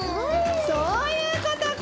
そういうことか！